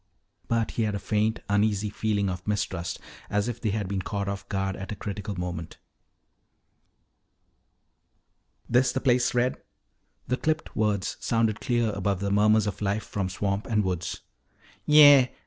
But he had a faint, uneasy feeling of mistrust, as if they had been caught off guard at a critical moment. "This the place, Red?" The clipped words sounded clear above the murmurs of life from swamp and woods. "Yeah.